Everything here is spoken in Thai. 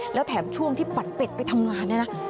แล้วแถมช่วงที่ปั่นเป็ดไปทำงานเนี่ยนะ